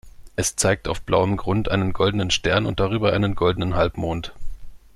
Es zeigt auf blauem Grund einen goldenen Stern und darüber einen goldenen Halbmond.